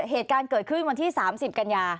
เหตุการณ์เกิดขึ้นวันที่๓๐กันยา